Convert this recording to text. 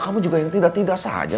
kamu juga yang tidak tidak sah saja